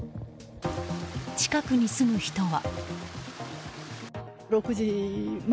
近くに住む人は。